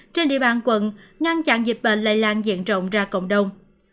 trên địa bàn quận ngăn chặn dịch bệnh lây lan diện rộng ra cộng đồng